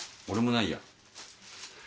俺もないや。